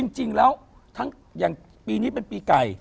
จริงแล้วทั้งอย่างปีนี้เป็นปีไก่